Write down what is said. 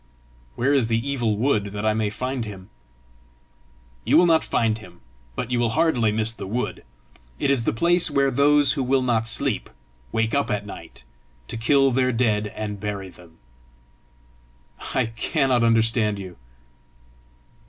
"Where is the Evil Wood, that I may find him?" "You will not find him; but you will hardly miss the wood. It is the place where those who will not sleep, wake up at night, to kill their dead and bury them." "I cannot understand you!"